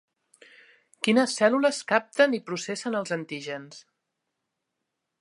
Quines cèl·lules capten i processen els antígens?